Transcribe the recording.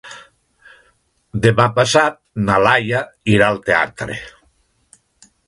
Demà passat na Laia irà al teatre.